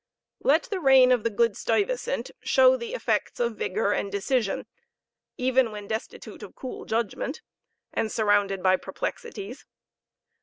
Let the reign of the good Stuyvesant show the effects of vigor and decision, even when destitute of cool judgment, and surrounded by perplexities.